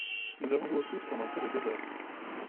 Nous avons joué au foot pendant près de deux heures.